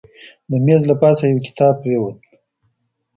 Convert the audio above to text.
د میز له پاسه یو کتاب پرېوت.